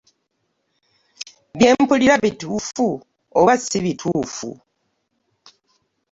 Byempulira bituufu oba sibituuku?